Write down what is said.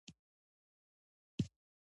د کور لپاره څه شی اړین دی؟